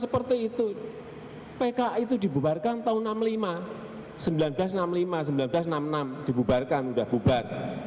seperti itu pki itu dibubarkan tahun seribu sembilan ratus enam puluh lima seribu sembilan ratus enam puluh lima seribu sembilan ratus enam puluh enam dibubarkan sudah bubar